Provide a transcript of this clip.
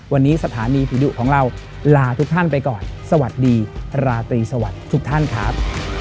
วันนี้สถานีผีดุของเราลาทุกท่านไปก่อนสวัสดีราตรีสวัสดีทุกท่านครับ